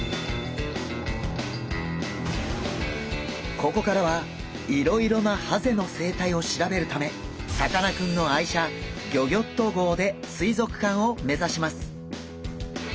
ここからはいろいろなハゼの生態を調べるためさかなクンの愛車ギョギョッと号で水族館を目指します。